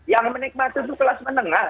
yang menikmati itu kelas menengah